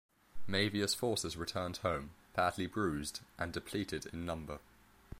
Mavia's forces returned home, badly bruised and depleted in number.